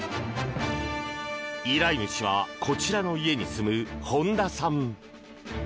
依頼主はこちらの家に住む本田さん。